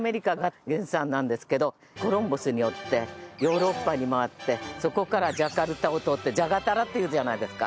コロンブスによってヨーロッパに回ってそこからジャカルタを通ってジャガタラっていうじゃないですか。